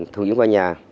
thu yếu qua nhà